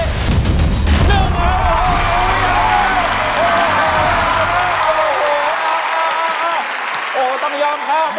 โอ้โหต้องยอมครับต้องให้ครับ